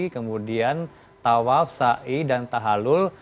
kemudian tawaf sa'i dan tahalul